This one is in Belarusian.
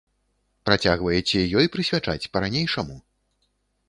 Працягваеце ёй прысвячаць па-ранейшаму?